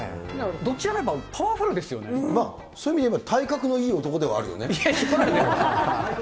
どっちかといえば、パワフルまあ、そういう意味では体格のいい男ではあるよね。